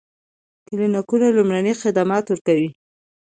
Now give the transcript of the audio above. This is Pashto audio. کلینیکونه لومړني خدمات ورکوي